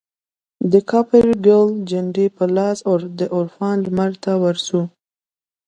دکاپرګل جنډې په لاس دعرفان لمرته ورځو